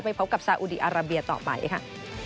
พบกับซาอุดีอาราเบียต่อไปค่ะ